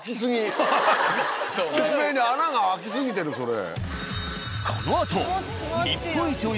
説明に穴が空きすぎてるそれ。